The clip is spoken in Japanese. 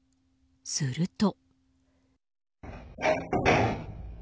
すると。